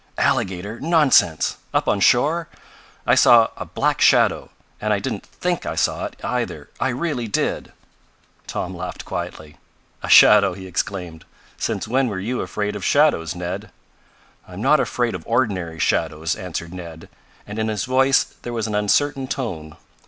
"Alligator? Nonsense! Up on shore? I saw a black shadow, and I didn't THINK I saw it, either. I really did." Tom laughed quietly. "A shadow!" he exclaimed. "Since when were you afraid of shadows, Ned?" "I'm not afraid of ordinary shadows," answered Ned, and in his voice there was an uncertain tone.